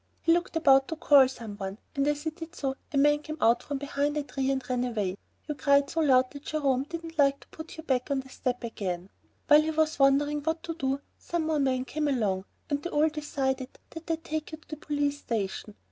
He looked about to call some one, and as he did so a man came out from behind a tree and ran away. You cried so loud that Jerome didn't like to put you back on the step again. While he was wondering what to do, some more men came along, and they all decided that they'd take you to the police station.